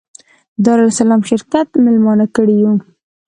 دارالسلام شرکت مېلمانه کړي یو.